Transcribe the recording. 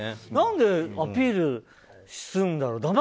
何でアピールするんだろう。